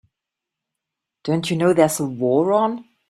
Don't you know there's a war on?